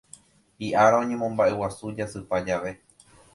Hiʼára oñemombaʼeguasu jasypa jave.